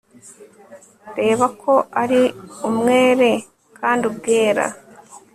reba ko ari umwere kandi ubwera